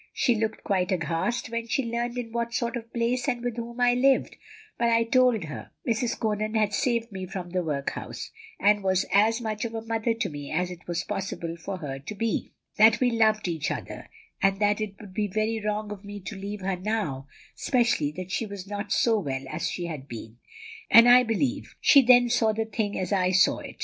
She looked quite aghast when she learned in what sort of place and with whom I lived; but I told her Mrs. Conan had saved me from the workhouse, and was as much of a mother to me as it was possible for her to be, that we loved each other, and that it would be very wrong of me to leave her now, especially that she was not so well as she had been; and I believe she then saw the thing as I saw it.